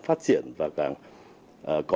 phát triển và càng có